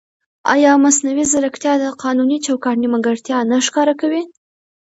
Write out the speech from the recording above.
ایا مصنوعي ځیرکتیا د قانوني چوکاټ نیمګړتیا نه ښکاره کوي؟